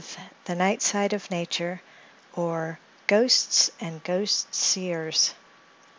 net) THE NIGHT SIDE OF NATURE Or, Ghosts and Ghost Seers.